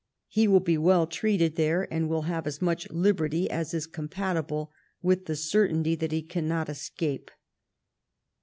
He will be well treated there, and will have as much liberty as is compatible with the certainty that he cannot escape."